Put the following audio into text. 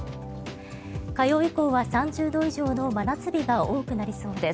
火曜以降は３０度以上の真夏日が多くなりそうです。